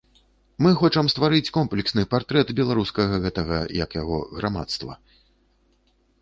Мы хочам стварыць комплексны партрэт беларускага гэтага, як яго, грамадства.